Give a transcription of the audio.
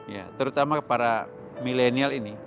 ya terutama para milenial ini